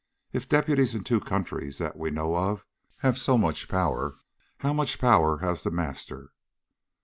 If deputies in two countries that we know of have so much power, how much power has The Master?"